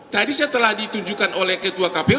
tadi saya telah ditunjukkan oleh ketua kpu